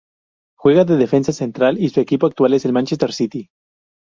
Juega de defensa central y su equipo actual es el Manchester City.